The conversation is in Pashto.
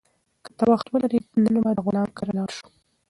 که ته وخت ولرې، نن به د غلام کره لاړ شو.